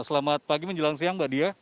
selamat pagi menjelang siang mbak diah